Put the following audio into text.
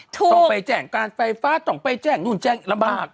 ถูกต้องไปแจ้งการไฟฟ้าต้องไปแจ้งนู่นแจ้งลำบาก